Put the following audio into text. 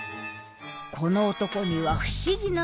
この男には不思議な「能力」が。